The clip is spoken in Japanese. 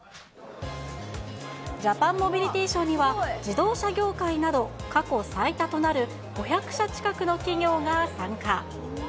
ジャパンモビリティショーには、自動車業界など、過去最多となる５００社近くの企業が参加。